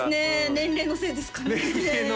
年齢のせいです